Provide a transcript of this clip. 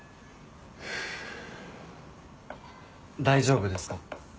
大丈夫ですか？